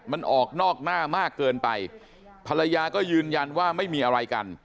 มันออกนอกหน้ามากเกินไปภรรยาก็ยืนยันว่าไม่มีอะไรกัน